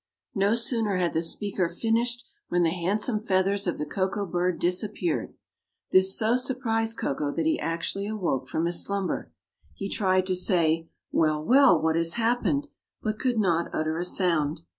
No sooner had the speaker finished when the handsome feathers of the Koko bird disappeared. This so surprised Koko that he actually awoke from his slumber. He tried to say, "Well! well! what has happened," but could not utter a sound.